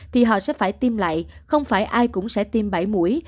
thì họ sẽ phải tiêm lại không phải ai cũng sẽ tiêm bảy mũi